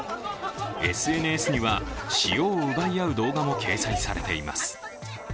ＳＮＳには、塩を奪い合う動画も掲載されています。